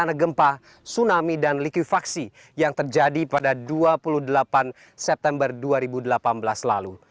bencana gempa tsunami dan likuifaksi yang terjadi pada dua puluh delapan september dua ribu delapan belas lalu